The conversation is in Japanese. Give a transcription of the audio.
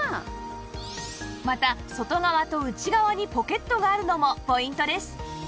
また外側と内側にポケットがあるのもポイントです